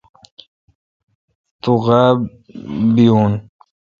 تو غاب بیون۔